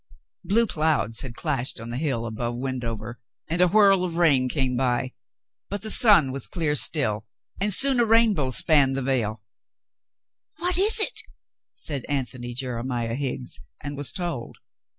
Blue clouds had clashed on the hill above Wend over, and a whirl of rain came by. But the sun was clear still, and soon a rainbow spanned the vale. ^'What is it?" said Antony Jeremiah Higgs, and was told.